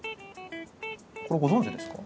これご存じですか？